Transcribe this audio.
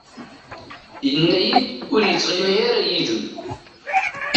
Yenna-iyi-d ur yettɣimi ara yid-m.